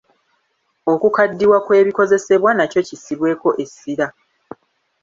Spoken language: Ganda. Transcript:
Okukaddiwa kw’ebikozesebwa nakyo kissibweko essira.